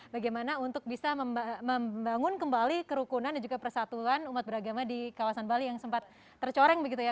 bagaimana untuk bisa membangun kembali kerukunan dan juga persatuan umat beragama di kawasan bali yang sempat tercoreng begitu ya